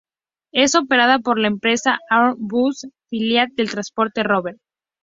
Es operada por la empresa Alhambra Bus, filial de Transportes Rober.